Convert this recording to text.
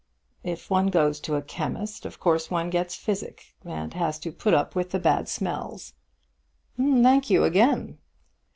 "If one goes to a chemist, of course one gets physic, and has to put up with the bad smells." "Thank you again."